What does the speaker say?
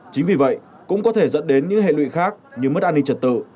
chính vì vậy cũng có thể dẫn đến những hệ lụy khác như mất an ninh trật tự